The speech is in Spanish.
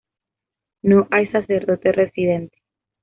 No hay sacerdote residente.